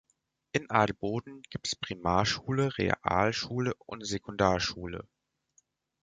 In Adelboden gibt es Primarschule, Realschule und Sekundarschule.